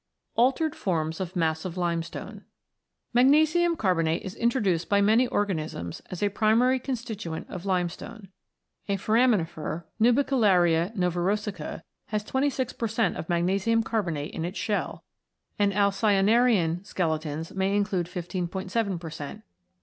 ALTERED FORMS OF MASSIVE LIMESTONE Magnesium carbonate is introduced by many organisms as a primary constituent of limestone (n few). A foraminifer, Nubecularia novorossica, has 26 per cent, of magnesium carbonate in its shell, and alcyo narian skeletons may include 157 per cent.